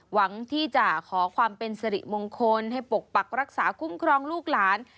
หวังที่จะขอความเป็นสิริมงคลให้ปกปักรักษาคุ้มครองลูกหลาน